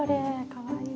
「かわいい」。